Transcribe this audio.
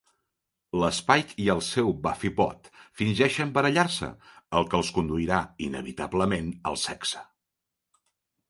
L'Spike i el seu Buffybot fingeixen barallar-se, el que els conduirà inevitablement al sexe.